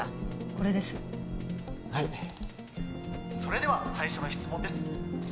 これです・はいそれでは最初の質問です